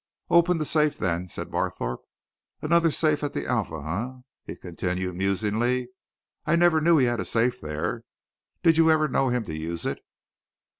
"Open the safe, then," said Barthorpe. "Another safe at the Alpha, eh?" he continued, musingly. "I never knew he had a safe there. Did you ever know him to use it?"